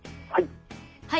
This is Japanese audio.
はい。